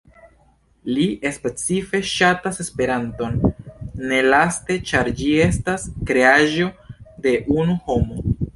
Li "specife ŝatas Esperanton", ne laste, ĉar ĝi estas kreaĵo de unu homo.